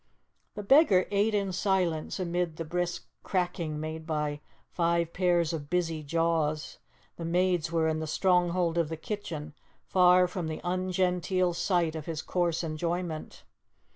The beggar ate in silence, amid the brisk cracking made by five pairs of busy jaws; the maids were in the stronghold of the kitchen, far from the ungenteel sight of his coarse enjoyment.